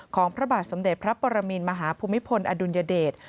พระบาทสมเด็จพระปรมินมหาภูมิพลอดุลยเดช